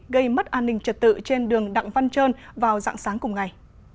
gây mất an ninh trật tự trên đường đặng văn trơn vào dạng sáng cùng ngày